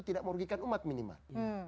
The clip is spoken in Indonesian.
tidak merugikan umat minimal